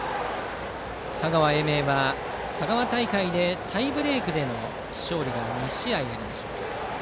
香川・英明は香川大会でタイブレークでの勝利が２試合ありました。